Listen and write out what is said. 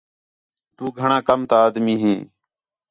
تُو گھݨاں کم تا آدمی ہیں